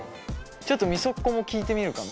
ちょっとみそっこも聞いてみるか。